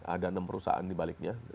ada enam perusahaan di baliknya